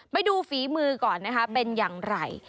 ไปดูฝีมือก่อนนะคะเป็นอย่างไร